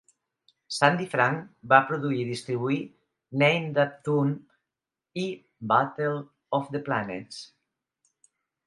Sandy Frank va produir i distribuir "Name That Tune" i "Battle of the Planets".